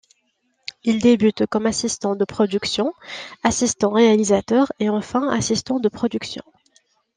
Il débute comme assistant de production, assistant-réalisateur et enfin assistant de production.